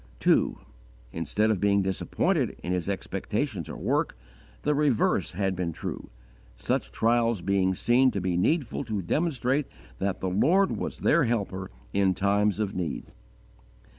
2. Instead of being disappointed in his expectations or work, the reverse had been true, such trials being seen to be needful to demonstrate that the Lord was their Helper in times of need.